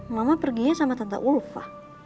mama perginya sama tante ulfa